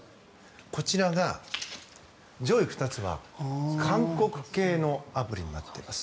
こちらが上位２つは韓国系のアプリになっています。